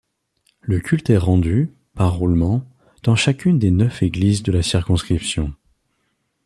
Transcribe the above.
Le culte est rendu, par roulement, dans chacune des neuf églises de la circonscription.